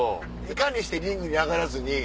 いかにしてリングに上がらずに。